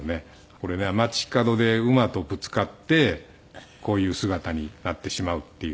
これね町角で馬とぶつかってこういう姿になってしまうっていう。